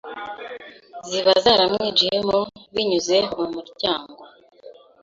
ziba zaramwinjiyemo binyuze mu muryango